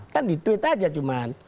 kan dituit aja cuman